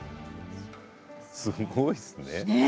すごいですね。